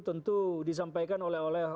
tentu disampaikan oleh